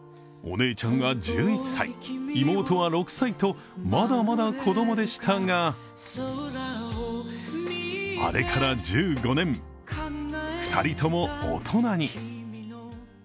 お姉ちゃんが１１歳、妹は６歳とまだまだ子供でしたがあれから１５年、２人とも大人に。